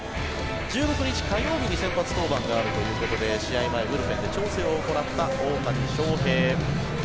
１６日火曜日に先発登板があるということで試合前、ブルペンで調整を行った大谷翔平。